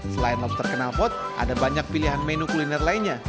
selain lobster kenalpot ada banyak pilihan menu kuliner lainnya